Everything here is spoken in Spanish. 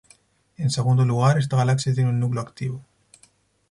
En segundo lugar, esta galaxia tiene un núcleo activo.